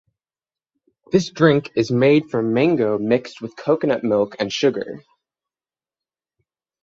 This drink is made from mango mixed with coconut milk and sugar.